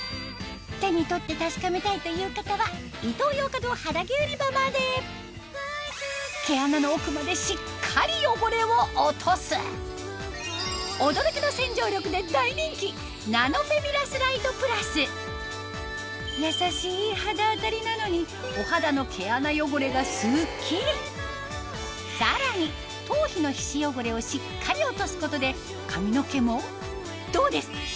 手に取って確かめたいという方は毛穴の奥までしっかり汚れを落とす驚きの洗浄力で大人気なのにお肌の毛穴汚れがスッキリさらに頭皮の皮脂汚れをしっかり落とすことで髪の毛もどうです？